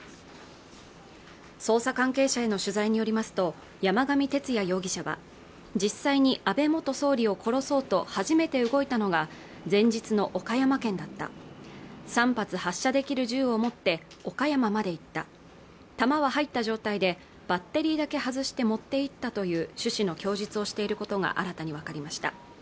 捜査関係者への取材によりますと山上徹也容疑者は実際に安倍元総理を殺そうと初めて動いたのが前日の岡山県だった３発発射できる銃を持って岡山まで行った弾は入った状態でバッテリーだけ外して持っていったという趣旨の供述をしていることが新たに分かりました